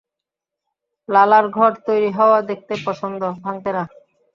লালার ঘর তৈরি হওয়া দেখতে পছন্দ, ভাঙ্গতে না!